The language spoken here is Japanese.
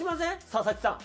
佐々木さん。